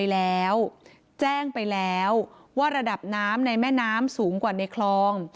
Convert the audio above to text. แล้วแจ้งไปแล้วว่าระดับน้ำในแม่น้ำสูงกว่าในคลอง